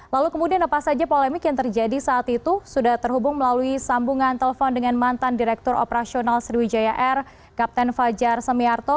lalu kemudian apa saja polemik yang terjadi saat itu sudah terhubung melalui sambungan telepon dengan mantan direktur operasional sriwijaya air kapten fajar semiarto